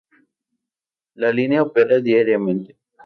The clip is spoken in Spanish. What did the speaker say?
La línea opera diariamente.